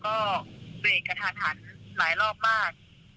เขาขับรถเร็วมากแล้วก็เวรกกระทัดหันหลายรอบมาก